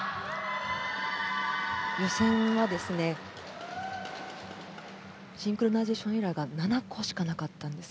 予選はシンクロナイゼーションエラーが７個しかなかったんです。